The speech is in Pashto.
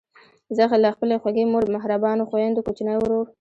زه له خپلې خوږې مور، مهربانو خویندو، کوچني ورور،